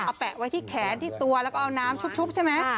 เอาแปะไว้ที่แขนที่ตัวแล้วก็เอาน้ำชุบใช่ไหม